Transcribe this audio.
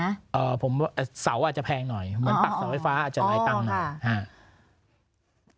อ่าผมอ่าเสาอาจจะแพงหน่อยเหมือนปักเสาไฟฟ้าอาจจะรายตังค์อ๋อค่ะอ่า